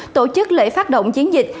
tổ chức lễ phát động chiến dịch